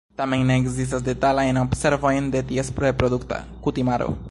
Tamen ne ekzistas detalajn observojn de ties reprodukta kutimaro.